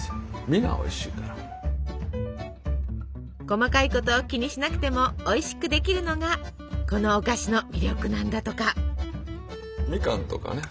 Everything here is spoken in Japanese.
細かいことを気にしなくてもおいしくできるのがこのお菓子の魅力なんだとか。